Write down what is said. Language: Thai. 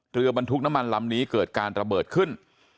บรรทุกน้ำมันลำนี้เกิดการระเบิดขึ้น